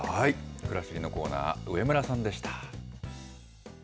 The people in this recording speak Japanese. くらしりのコーナー、上村さんでした。